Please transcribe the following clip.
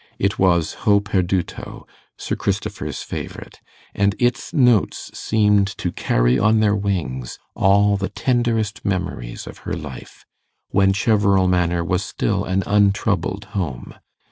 It was 'Ho perduto', Sir Christopher's favourite, and its notes seemed to carry on their wings all the tenderest memories of her life, when Cheverel Manor was still an untroubled home.